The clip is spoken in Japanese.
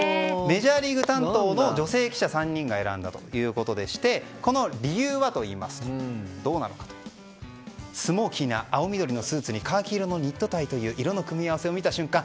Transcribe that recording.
メジャーリーグ担当の女性記者３人が選んだということでしてこの理由はといいますとスモーキーな青緑のスーツにカーキ色のニットタイという色の組み合わせを見た瞬間